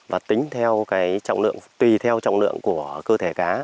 và tính theo trọng lượng tùy theo trọng lượng của cơ thể cá